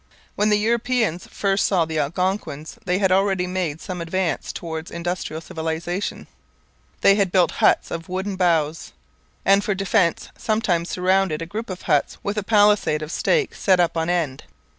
When the Europeans first saw the Algonquins they had already made some advance towards industrial civilization. They built huts of woven boughs, and for defence sometimes surrounded a group of huts with a palisade of stakes set up on end.